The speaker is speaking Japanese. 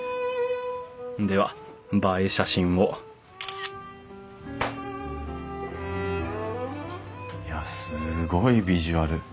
では映え写真をいやすごいビジュアル。